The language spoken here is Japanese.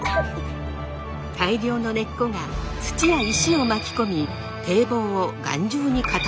大量の根っこが土や石を巻き込み堤防を頑丈に固めてくれるのです。